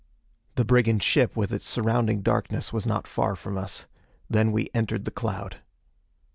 The brigand ship with its surrounding darkness was not far from us. Then we entered the cloud.